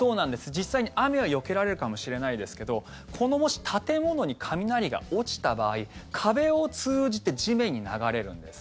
実際に雨はよけられるかもしれないですけどもし建物に雷が落ちた場合壁を通じて地面に流れるんです。